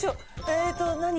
えーっと何？